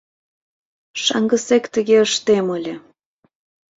Шаҥгысек тыге ыштем ыле!